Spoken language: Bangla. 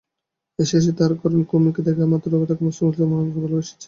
এসেছে তার কারণ, কুমুকে দেখবা মাত্রই ও তাকে সমস্ত মনপ্রাণ দিয়ে ভালোবেসেছে।